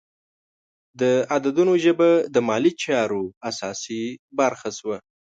د عددونو ژبه د مالي چارو اساسي برخه شوه.